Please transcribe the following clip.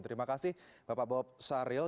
terima kasih bapak bob saril